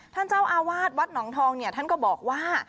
ท่านเจ้าอาวาสวัดหนองทองเนี่ยท่านก็บอกว่า